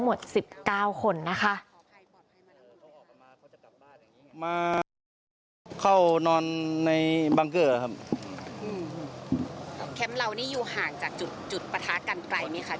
มาเข้านอนในบางเกอร์ครับ